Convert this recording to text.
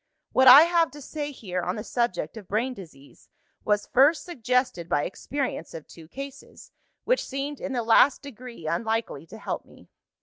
What I have to say here on the subject of brain disease, was first suggested by experience of two cases, which seemed in the last degree unlikely to help me.